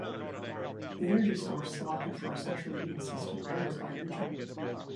The energy source selected for a central heating system varies by region.